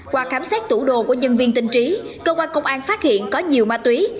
qua khám xét tủ đồ của nhân viên tình trí công an tp hcm phát hiện có nhiều ma túy